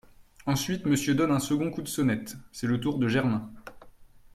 Ensuite, Monsieur donne un second coup de sonnette … c’est le tour de Germain.